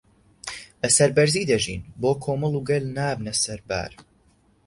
بەسەربەرزی دەژین بۆ کۆمەڵ و گەل نابنە سەربار